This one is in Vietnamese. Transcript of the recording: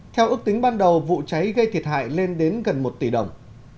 theo ước tính ban đầu vụ cháy gây thiệt hại lên đến gần một tỷ đồng